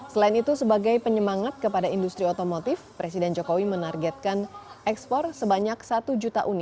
selain itu sebagai penyemangat kepada industri otomotif presiden jokowi menargetkan ekspor sebanyak satu juta